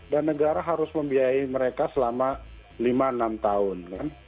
dan negara harus membiayai mereka selama lima enam tahun